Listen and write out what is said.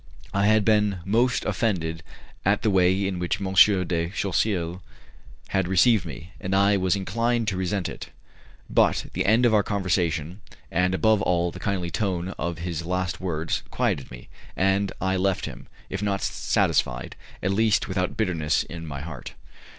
I had been almost offended at the way in which M. de Choiseul had received me, and I was inclined to resent it; but the end of our conversation, and above all the kindly tone of his last words, quieted me, and I left him, if not satisfied, at least without bitterness in my heart.